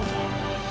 dan semoga saja